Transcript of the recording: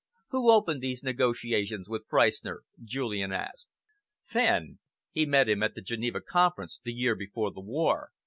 "Who opened these negotiations with Freistner?" Julian asked. "Fenn. He met him at the Geneva Conference, the year before the war.